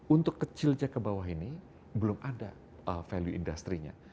untuk kecilnya ke bawah ini belum ada value industri nya